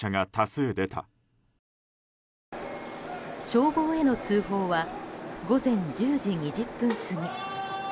消防への通報は午前１０時２０分過ぎ。